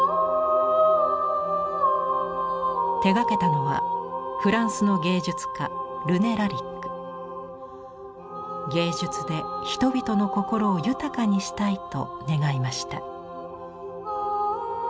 手がけたのはフランスの芸術家芸術で人々の心を豊かにしたいと願いました。